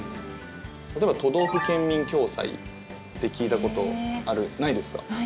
例えば都道府県民共済って聞いたことあるないですか？